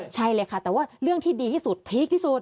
ใช่เลยค่ะแต่ว่าเรื่องที่ดีที่สุดพีคที่สุด